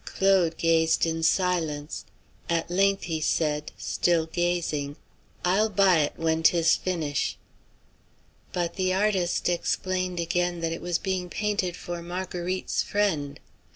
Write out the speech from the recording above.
Claude gazed in silence. At length he said, still gazing: "I'll buy it when 'tis finish'." But the artist explained again that it was being painted for Marguerite's friend.